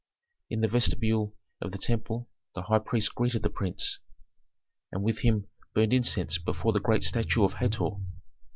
In the vestibule of the temple the high priest greeted the prince, and with him burned incense before the great statue of Hator.